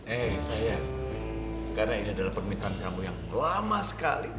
eh saya karena ini adalah permintaan kamu yang lama sekali